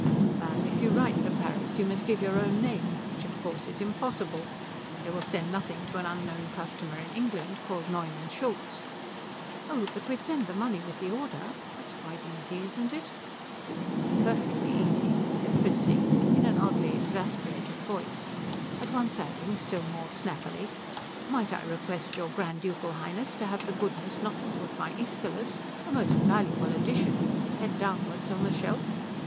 "Ma'am, if you write to Paris you must give your own name, which of course is impossible. They will send nothing to an unknown customer in England called Neumann Schultz." "Oh but we'd send the money with the order. That's quite easy, isn't it?" "Perfectly easy," said Fritzing in an oddly exasperated voice; at once adding, still more snappily, "Might I request your Grand Ducal Highness to have the goodness not to put my Æschylus a most valuable edition head downwards on the shelf?